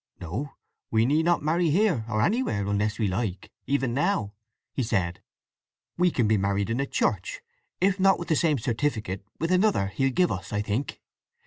"No—we need not marry here or anywhere, unless we like, even now," he said. "We can be married in a church, if not with the same certificate with another he'll give us, I think.